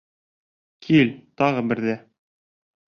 Кил, тағы берҙе!